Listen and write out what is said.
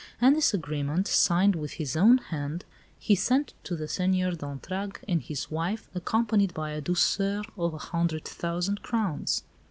And this agreement, signed with his own hand, he sent to the Seigneur d'Entragues and his wife, accompanied by a douceur of a hundred thousand crowns.